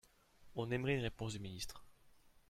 On aimerait une réponse du ministre